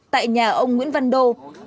tại nhà ông nguyễn văn đô